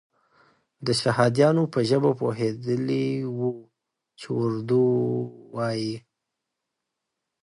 د شهادیانو په ژبه پوهېدلی وو چې اردو وایي.